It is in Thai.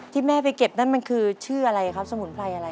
ที่แม่ไปเก็บนั่นมันคือชื่ออะไรครับสมุนไพรอะไร